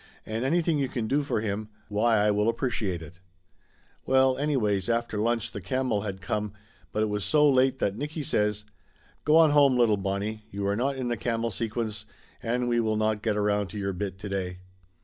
and anything you can do for him, why I will ap preciate it ?'' Well anyways, after lunch the camel had come, but it was so late that Nicky says, "Go on home, little Bon nie, you are not in the camel sequence and we will not 176 Laughter Limited get around to your bit to day."